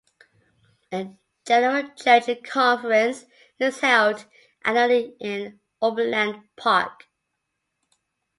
A general church conference is held annually in Overland Park.